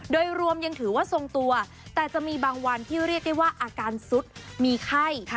โดยรวมยังถือว่าทรงตัวแต่จะมีบางวันที่เรียกได้ว่าอาการสุดมีไข้